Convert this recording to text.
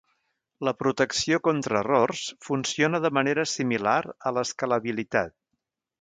La protecció contra errors funciona de manera similar a l'escalabilitat.